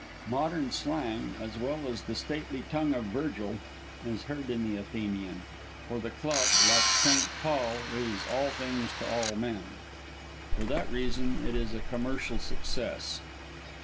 Modern slang, as well as the stately tongue of Virgil, is heard in The Athenian, for the club, like St. Paul, is all things to all men. For that reason it is a commercial success.